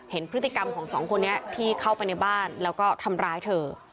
เห็นพฤติกรรมของสองคนนี้ที่เข้าไปในบ้านแล้วก็ทำร้ายเธอ